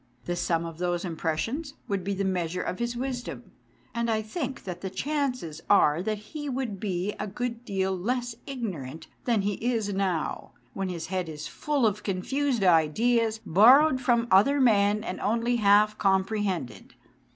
The sum of those impressions would be the measure of his wisdom, and I think that the chances are that he would be a good deal less ignorant than he is now, when his head is full of confused ideas borrowed from other men and only half comprehended.